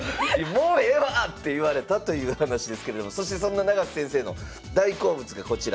「もうええわ！」って言われたという話ですけれどもそしてそんな永瀬先生の大好物がこちら。